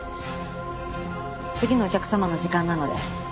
次のお客様の時間なので。